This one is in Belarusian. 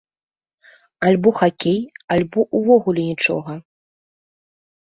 Альбо хакей, альбо ўвогуле нічога.